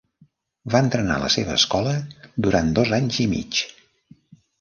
Va entrenar a la seva escola durant dos anys i mig.